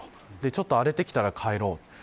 ちょっと荒れてきたら帰ろうと。